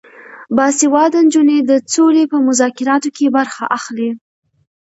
باسواده نجونې د سولې په مذاکراتو کې برخه اخلي.